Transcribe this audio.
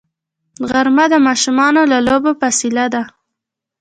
غرمه د ماشوم له لوبو فاصله ده